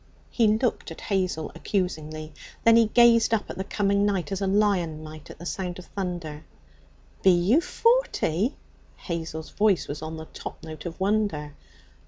He looked at Hazel accusingly; then he gazed up at the coming night as a lion might at the sound of thunder. 'Be you forty?' Hazel's voice was on the top note of wonder.